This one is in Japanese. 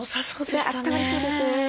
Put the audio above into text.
ねっあったまりそうですね。